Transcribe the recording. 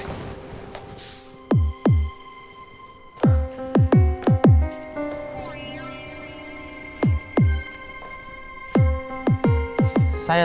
tunggu satu saat